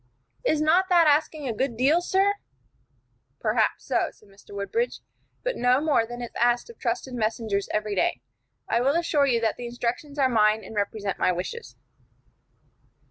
"Is not that asking a good deal, sir?" "Perhaps so," said Mr. Woodbridge, "but no more than is asked of trusted messengers every day. I will assure you that the instructions are mine and represent my wishes."